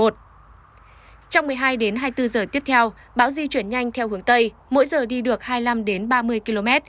trong một mươi hai đến hai mươi bốn giờ tiếp theo bão di chuyển nhanh theo hướng tây mỗi giờ đi được hai mươi năm ba mươi km